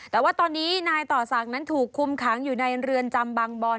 แต่ตอนนี้นายต่อสักนั้นถูกคุมค้างอยู่ในเรือนจำบางบอล